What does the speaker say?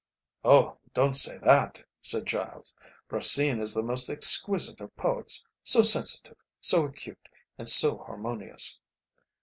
"Oh! don't say that," said Giles, "Racine is the most exquisite of poets, so sensitive, so acute, and so harmonious."